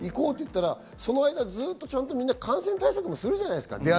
行こうといったら、その間ずっとちゃんとみんな感染対策するじゃないですか。